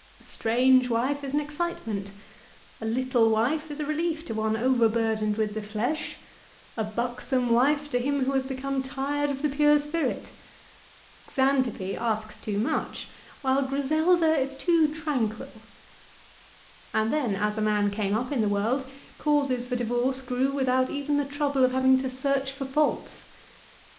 A strange wife is an excitement. A little wife is a relief to one overburdened with the flesh ; a buxom wife to him who 170 LIFE OF CICERO. has become tired of the pure spirit. Xantippe asks too much, while Griselda is too tranquil. And then, as a man came up in the world, causes for divorce grew without even the trouble of having to search for faults.